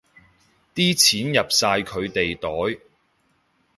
啲錢入晒佢哋袋